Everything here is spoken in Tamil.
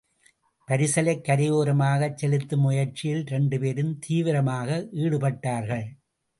பரிசலைக் கரையோரமாகச் செலுத்தும் முயற்சியில் இரண்டு பேரும் தீவிரமாக ஈடுபட்டார்கள்.